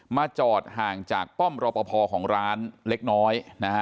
มาจอดห่างจากป้อมรอบประพอของร้านเล็กน้อย